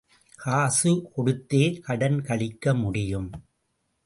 காசு கொடுத்தே கடன் கழிக்க முடியும்.